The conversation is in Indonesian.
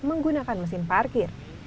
menggunakan mesin parkir